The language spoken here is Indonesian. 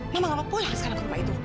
mama gak mau pulang sekarang ke rumah itu